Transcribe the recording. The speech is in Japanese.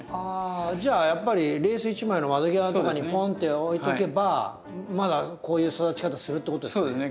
あじゃあやっぱりレース一枚の窓際とかにポンって置いとけばまだこういう育ち方するってことですよね。